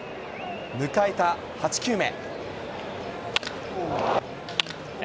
迎えた８球目。